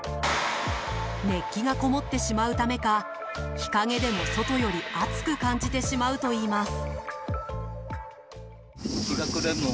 熱気がこもってしまうためか日陰でも、外より暑く感じてしまうといいます。